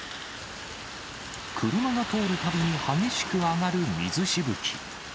車が通るたびに激しく上がる水しぶき。